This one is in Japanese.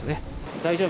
大丈夫？